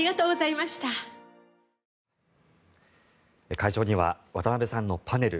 会場には渡辺さんのパネル